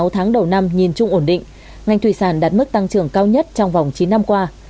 sáu tháng đầu năm nhìn chung ổn định ngành thủy sản đạt mức tăng trưởng cao nhất trong vòng chín năm qua